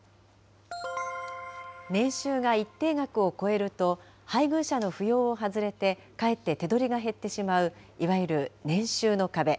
年収が一定額を超えると、配偶者の扶養を外れてかえって手取りが減ってしまう、いわゆる年収の壁。